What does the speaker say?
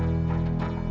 aku mau ke rumah